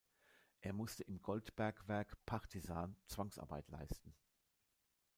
Er musste im Goldbergwerk „Partisan“ Zwangsarbeit leisten.